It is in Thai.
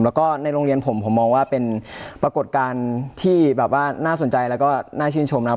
แล้วก็ในโรงเรียนผมผมมองว่าเป็นปรากฏการณ์ที่แบบว่าน่าสนใจแล้วก็น่าชื่นชมนะครับ